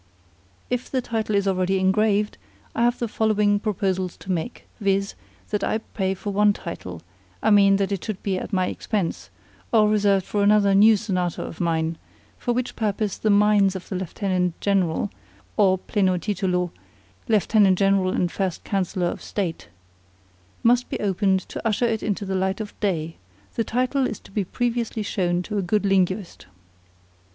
If the title is already engraved, I have the two following proposals to make; viz., that I pay for one title I mean that it should be at my expense, or reserved for another new sonata of mine, for which purpose the mines of the Lieutenant General (or pleno titulo, Lieutenant General and First Councillor of State) must be opened to usher it into the light of day; the title to be previously shown to a good linguist.